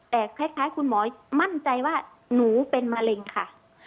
แต่คล้ายคุณหมอมั่นใจว่าหนูเป็นมะเร็งค่ะ